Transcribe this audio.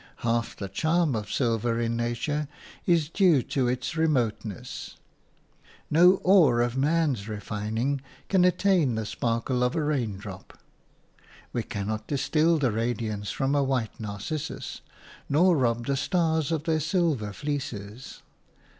Half the charm of silver in nature is due to its remoteness; no ore of man's refining can attain the sparkle of a raindrop; we cannot distil the radiance from a white narcissus, nor rob the stars of their silver fleeces.